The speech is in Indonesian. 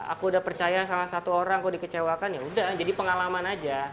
aku udah percaya salah satu orang kok dikecewakan yaudah jadi pengalaman aja